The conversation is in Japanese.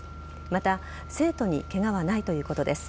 また、生徒にケガはないということです。